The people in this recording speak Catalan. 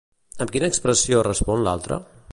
Amb quina expressió respon l'altra?